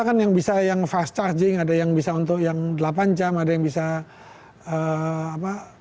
kan yang bisa yang fast charging ada yang bisa untuk yang delapan jam ada yang bisa apa